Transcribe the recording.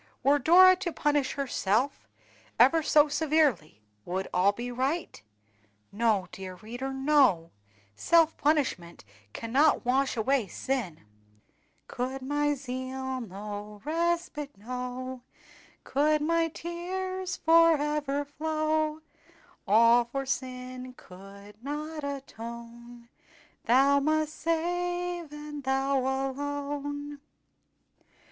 Were Dora to punish herself ever so severely, would all be right? No, dear reader, no! self punishment cannot wash away sin. "Could my zeal no respite know, Could my tears forever flow, All for sin could not atone, Thou must save, and Thou alone."